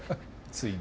ついに。